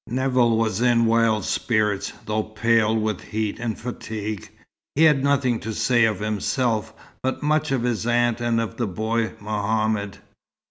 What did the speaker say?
Nevill was in wild spirits, though pale with heat and fatigue. He had nothing to say of himself, but much of his aunt and of the boy Mohammed.